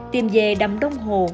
tìm về đầm đông hồ